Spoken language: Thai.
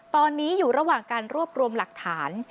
ตอนนี้อยู่ระหว่างการรวบรวมหลักฐาน